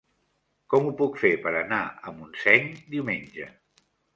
Com ho puc fer per anar a Montseny diumenge?